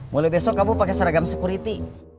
mulai besok kamu pakai seragam security